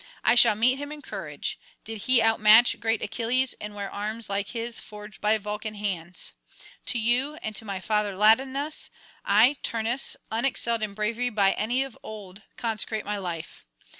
I shall meet him in courage, did he outmatch great Achilles and wear arms like his forged by Vulcan's hands. To you and to my father Latinus I Turnus, unexcelled in bravery by any of old, consecrate my life.